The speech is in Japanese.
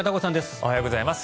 おはようございます。